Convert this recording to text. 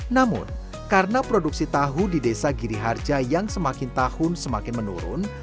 namun karena produksi tahu di desa giriharja yang semakin tahun semakin menurun